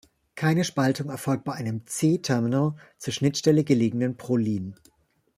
Keine Spaltung erfolgt bei einem C-terminal zur Schnittstelle gelegenen Prolin.